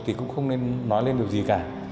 thì cũng không nên nói lên được gì cả